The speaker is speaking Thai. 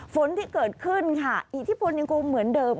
ฝนที่เกิดขึ้นค่ะอิทธิพลยังคงเหมือนเดิม